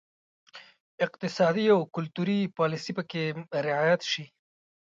اقتصادي او کلتوري پالیسي پکې رعایت شي.